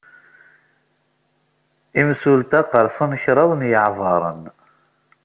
Imsulta qersen kraḍ n yiɛbaṛen.